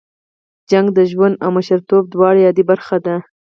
شخړه د ژوند او مشرتوب دواړو عادي برخه ده.